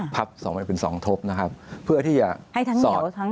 พับ๒แบบเป็น๒ทบให้ทั้งเหงว